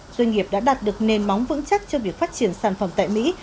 doanh nghiệp đã đạt được nền móng vững chắc cho việc phát triển sản phẩm tại mỹ